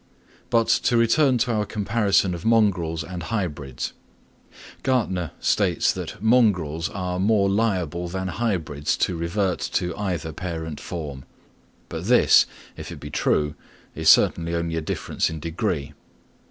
But to return to our comparison of mongrels and hybrids: Gärtner states that mongrels are more liable than hybrids to revert to either parent form; but this, if it be true, is certainly only a difference in degree.